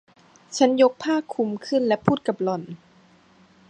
ฉันยกผ้าคลุมขึ้นและพูดกับหล่อน